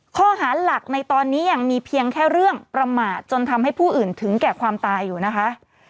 ข้อหาหลักในตอนนี้ยังมีเพียงแค่เรื่องประมาทจนทำให้ผู้อื่นถึงแก่ความตายอยู่นะคะ